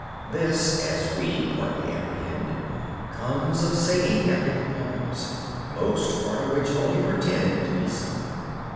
This, as we partly apprehend, comes of singing epic poems; most part of which only pretend to be sung.